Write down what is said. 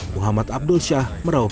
muhammad abdul syah merauke